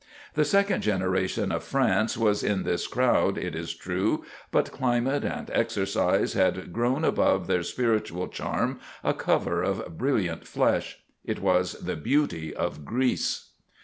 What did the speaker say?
The second generation of France was in this crowd, it is true; but climate and exercise had grown above their spiritual charm a cover of brilliant flesh. It was the beauty of Greece.